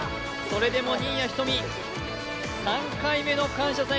それでも新谷仁美、３回目の「感謝祭」